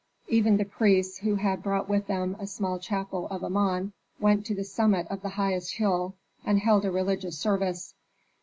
Even the priests, who had brought with them a small chapel of Amon, went to the summit of the highest hill and held a religious service.